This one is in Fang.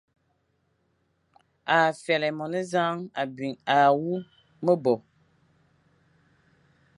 A fyelé monezañ abi à wu me bo,